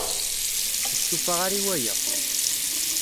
Ur stufaɣ ara i waya.